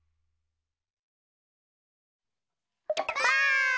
ばあっ！